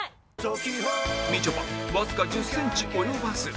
みちょぱわずか１０センチ及ばず